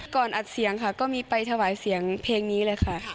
ก่อนอัดเสียงค่ะก็มีไปถวายเสียงเพลงนี้เลยค่ะ